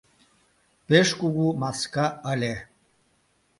— Пеш кугу маска ыле.